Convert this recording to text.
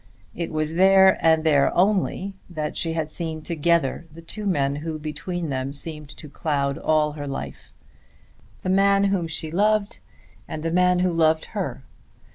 It was there and there only that she had seen together the two men who between them seemed to cloud all her life, the man whom she loved and the man who loved her.